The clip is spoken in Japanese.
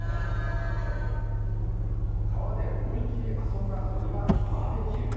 川で思い切り遊んだあとにはバーベキュー。